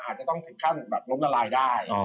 อาจจะต้องถึงขั้นแบบล้มละลายได้